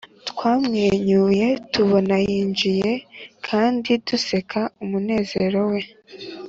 twamwenyuye tubona yinjiye kandi duseka umunezero we.